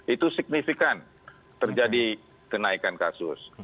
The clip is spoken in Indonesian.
itu signifikan terjadi kenaikan kasus